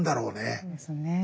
そうですね。